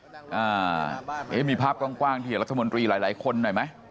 นี่มีภาพกว้างที่เห็นรัฐมนตรีหลายคนด้วยไหม